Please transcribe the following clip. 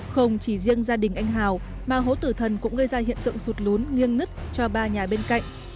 không chỉ riêng gia đình anh hào mà hố tử thần cũng gây ra hiện tượng sụt lún nghiêng nứt cho ba nhà bên cạnh